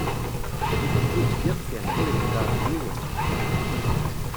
Iteddu deg iḍ kan, ur ihedder d yiwen.